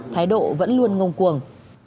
thái độ vẫn luôn ngông cuồng